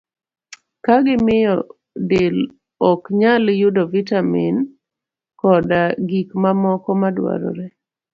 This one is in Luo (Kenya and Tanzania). ka gimiyo del ok nyal yudo vitamin koda gik mamoko madwarore.